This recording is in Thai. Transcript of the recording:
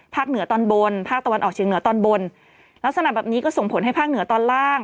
เหนือตอนบนภาคตะวันออกเชียงเหนือตอนบนลักษณะแบบนี้ก็ส่งผลให้ภาคเหนือตอนล่าง